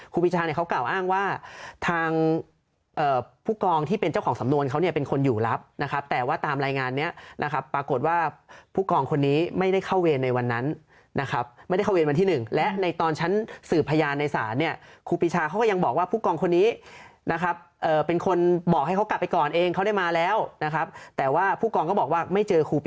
ครูปีชาเนี่ยเขากล่าวอ้างว่าทางผู้กองที่เป็นเจ้าของสำนวนเขาเนี่ยเป็นคนอยู่รับนะครับแต่ว่าตามรายงานนี้นะครับปรากฏว่าผู้กองคนนี้ไม่ได้เข้าเวรในวันนั้นนะครับไม่ได้เข้าเวรวันที่หนึ่งและในตอนชั้นสืบพยานในศาลเนี่ยครูปีชาเขาก็ยังบอกว่าผู้กองคนนี้นะครับเป็นคนบอกให้เขากลับไปก่อนเองเขาได้มาแล้วนะครับแต่ว่าผู้กองก็บอกว่าไม่เจอครูป